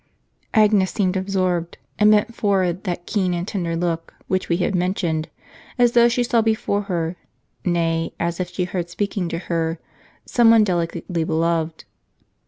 Agnes seemed absorbed ; and bent forward that keen and tender look which we have mentioned, as though she saw before her, nay, as if she heard si)eaking to her, some one delicately beloved.